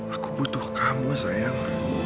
aku butuh kamu sayang